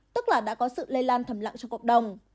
tức là đã có sự lây lan thầm lặng trong cộng đồng